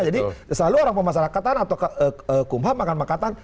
jadi selalu orang pemasarakatan atau kumham akan mengatakan